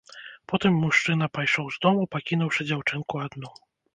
Потым мужчына пайшоў з дому, пакінуўшы дзяўчынку адну.